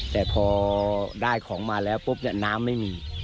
แต่พอได้ของมาแล้วปุ๊บเนี่ยน้ำไม่มี